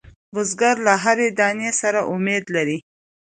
بزګر له هر دانې سره امید لري